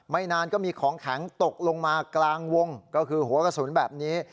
นานก็มีของแข็งตกลงมากลางวงก็คือหัวกระสุนแบบนี้